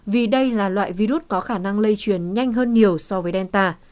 vì đây là loại virus có khả năng lây truyền nhanh hơn nhiều so với delta